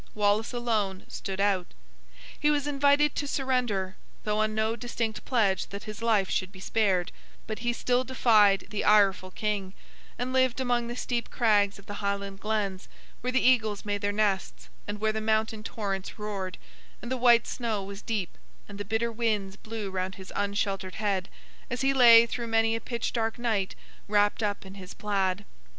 Wallace alone stood out. He was invited to surrender, though on no distinct pledge that his life should be spared; but he still defied the ireful King, and lived among the steep crags of the Highland glens, where the eagles made their nests, and where the mountain torrents roared, and the white snow was deep, and the bitter winds blew round his unsheltered head, as he lay through many a pitch dark night wrapped up in his plaid.